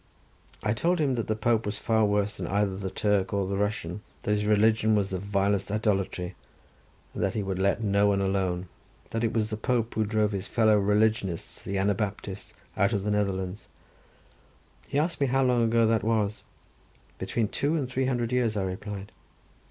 I told him that the Pope was far worse than either the Turk or the Russian, that his religion was the vilest idolatry, and that he would let no one alone. That it was the Pope who drove his fellow religionists the Anabaptists out of the Netherlands. He asked me how long ago that was. Between two and three hundred years, I replied.